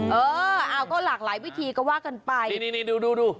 เออเอาก็หลากหลายวิธีก็ว่ากันไปนี่นี่ดูดู